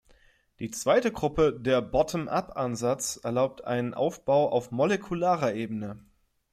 Die zweite Gruppe, der "Bottom-up"-Ansatz, erlaubt einen Aufbau auf molekularer Ebene.